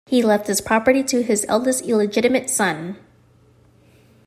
He left his property to his eldest illegitimate son.